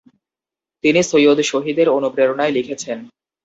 তিনি সৈয়দ শহীদের অনুপ্রেরণায় লিখেছেন।